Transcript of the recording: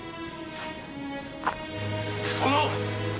殿！